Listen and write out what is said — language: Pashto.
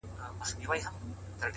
دلته خواران ټوله وي دلته ليوني ورانوي.